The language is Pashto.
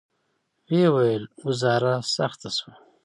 ویې ویل: ګوزاره سخته شوه.